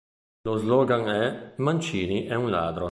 Lo slogan è “Mancini è un ladro”.